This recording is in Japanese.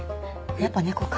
やっぱ猫か。